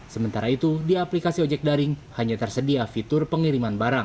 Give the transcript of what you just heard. sementara itu di aplikasi ojek daring hanya tersedia fitur pengiriman barang